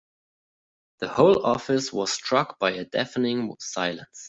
The whole office was struck by a deafening silence.